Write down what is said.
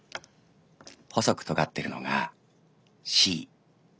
細くとがってるのがシイ」。